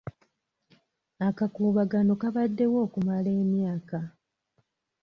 Akakuubagano kabaddewo okumala emyaka.